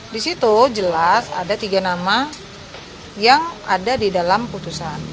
di situ jelas ada tiga nama yang ada di dalam putusan